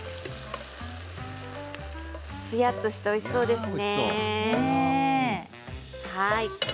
つやっとしておいしそうですね。